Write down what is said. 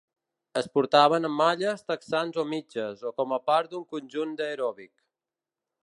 Es portaven amb malles, texans o mitges, o com a part d'un conjunt d'aeròbic.